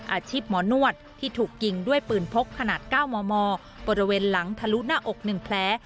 อาชีพหมอนวดที่ถูกยิงด้วยปืนพกขนาด๙มมบริเวณหลังทะลุหน้าอก๑แผล